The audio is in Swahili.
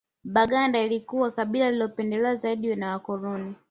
Baganda lilikuwa kabila lililopendelewa zaidi na Wakoloni